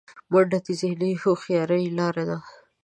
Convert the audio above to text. منډه د ذهني هوښیارۍ لاره ده